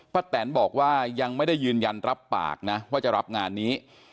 แตนบอกว่ายังไม่ได้ยืนยันรับปากนะว่าจะรับงานนี้